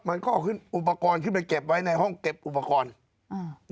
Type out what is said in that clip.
มันก็เอาขึ้นอุปกรณ์ขึ้นไปเก็บไว้ในห้องเก็บอุปกรณ์อ่า